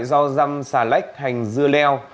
do răm xà lách hành dưa leo